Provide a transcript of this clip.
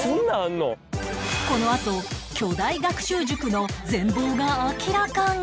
このあと巨大学習塾の全貌が明らかに